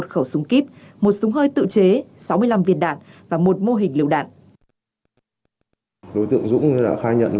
một khẩu súng kíp một súng hơi tự chế sáu mươi năm viên đạn và một mô hình lưu đạn